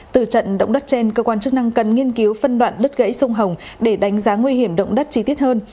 từ trận động đất trên cơ quan chức năng cần nghiên cứu phân đoạn đất gãy sông hồng để đánh giá nguy hiểm động đất chi tiết hơn